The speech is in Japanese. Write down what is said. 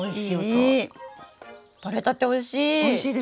とれたておいしい！